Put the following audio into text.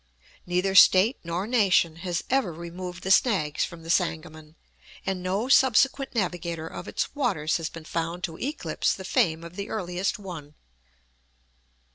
Neither State nor nation has ever removed the snags from the Sangamon, and no subsequent navigator of its waters has been found to eclipse the fame of the earliest one.